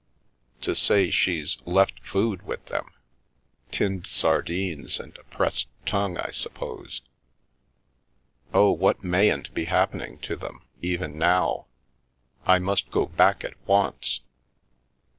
To say she's 'left food with them! 9 Tinned sardines and a pressed tongue, I suppose. Oh, what mayn't be happening to them, even now I must go back at once."